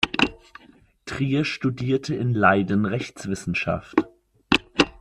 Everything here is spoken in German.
Trier studierte in Leiden Rechtswissenschaft.